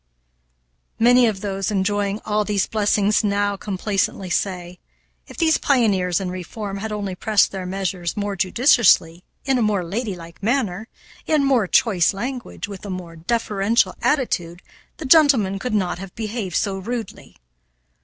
Many of those enjoying all these blessings now complacently say, "If these pioneers in reform had only pressed their measures more judiciously, in a more ladylike manner, in more choice language, with a more deferential attitude, the gentlemen could not have behaved so rudely."